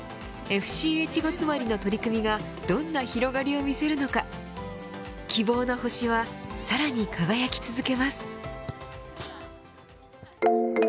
ＦＣ越後妻有の取り組みがどんな広がりを見せるのか希望の星はさらに輝き続けます。